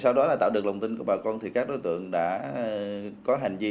sau đó là tạo được lòng tin của bà con thì các đối tượng đã có hành vi